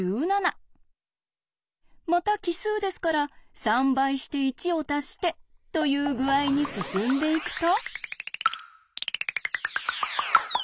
また奇数ですから３倍して１をたしてという具合に進んでいくと。